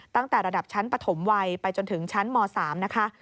ตั้งแต่ระดับชั้นปฐมวัยไปจนถึงชั้นม๓นะคะ